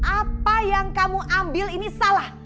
apa yang kamu ambil ini salah